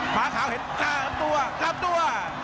ฟ้าขาวเห็นลำตัวลำตัว